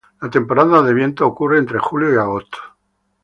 La temporada de vientos ocurre entre julio y agosto.